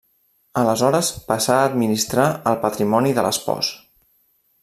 Aleshores passà a administrar el patrimoni de l'espòs.